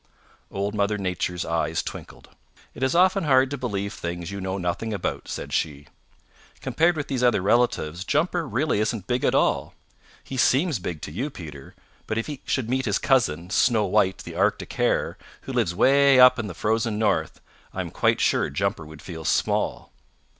Old Mother Nature's eyes twinkled. "It is often hard to believe things you know nothing about," said she. "Compared with these other relatives, Jumper really isn't big at all. He seems big to you, Peter, but if he should meet his cousin, Snow White the Arctic Hare, who lives way up in the Frozen North, I am quite sure Jumper would feel small.